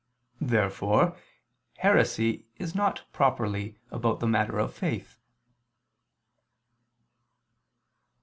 Therefore heresy is not properly about the matter of faith.